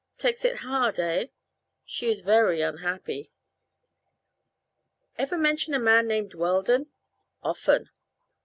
"Takes it hard, eh?" "She is very unhappy." "Ever mention a man named Weldon?" "Often."